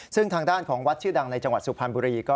ซึ่งทางด้านของวัดชื่อดังในจังหวัดสุพรรณบุรีก็